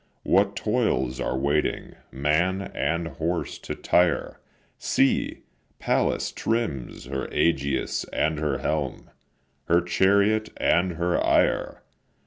What toils are waiting, man and horse to tire! See! Pallas trims her aegis and her helm, Her chariot and her ire.